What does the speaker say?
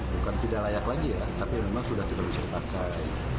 bukan tidak layak lagi ya tapi memang sudah tidak bisa dipakai